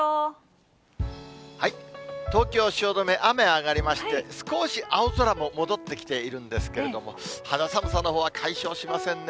東京・汐留、雨上がりまして、少し青空も戻ってきているんですけれども、肌寒さのほうは解消しませんね。